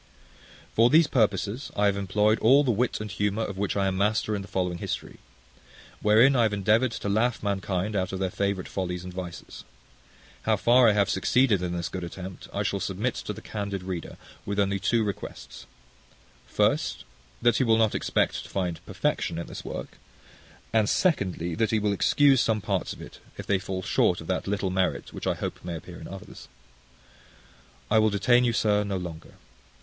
For these purposes I have employed all the wit and humour of which I am master in the following history; wherein I have endeavoured to laugh mankind out of their favourite follies and vices. How far I have succeeded in this good attempt, I shall submit to the candid reader, with only two requests: First, that he will not expect to find perfection in this work; and Secondly, that he will excuse some parts of it, if they fall short of that little merit which I hope may appear in others. I will detain you, sir, no longer.